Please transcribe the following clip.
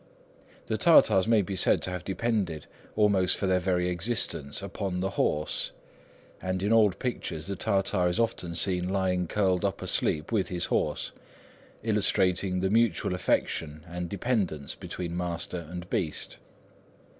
The Tartars may be said to have depended almost for their very existence upon the horse; and in old pictures the Tartar is often seen lying curled up asleep with his horse, illustrating the mutual affection and dependence between master and beast.